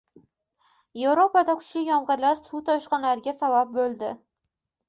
Yevropada kuchli yomg‘irlar suv toshqinlariga sabab bo‘ldi